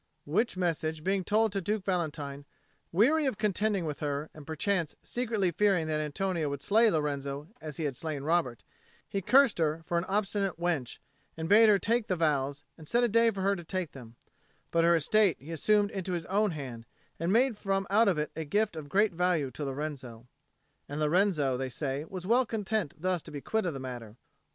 Which message being told to Duke Valentine, weary of contending with her, and perchance secretly fearing that Antonio would slay Lorenzo as he had slain Robert, he cursed her for an obstinate wench, and bade her take the vows, and set a day for her to take them: but her estate he assumed into his own hand, and made from out of it a gift of great value to Lorenzo. And Lorenzo, they say, was well content thus to be quit of the matter.